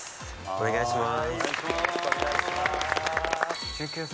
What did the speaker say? お願いします。